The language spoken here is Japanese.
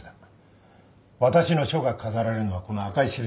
私の書が飾られるのはこの赤い印の付いたところ。